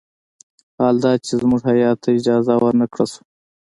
حال دا چې زموږ هیات ته اجازه ور نه کړل شوه.